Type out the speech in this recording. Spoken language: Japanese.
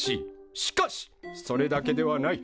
しかしそれだけではない。